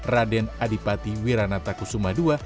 raden adipati wiranata kusuma ii